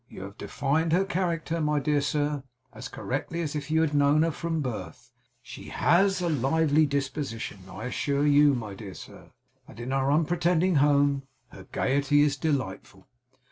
You have defined her character, my dear sir, as correctly as if you had known her from her birth. She HAS a lively disposition. I assure you, my dear sir, that in our unpretending home her gaiety is delightful.